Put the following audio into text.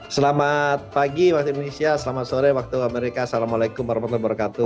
selamat pagi waktu indonesia selamat sore waktu amerika assalamualaikum warahmatullahi wabarakatuh